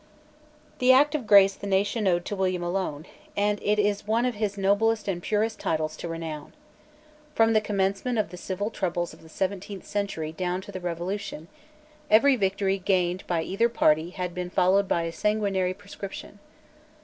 The Act of Grace the nation owed to William alone; and it is one of his noblest and purest titles to renown. From the commencement of the civil troubles of the seventeenth century down to the Revolution, every victory gained by either party had been followed by a sanguinary proscription.